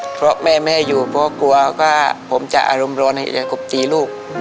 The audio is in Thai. เพราะแม่ไม่ให้อยู่เพราะกลัวว่าผมจะอารมณ์ร้อนจะกบตีลูก